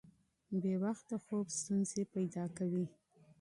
بې وخته خوب ستونزې پیدا کوي.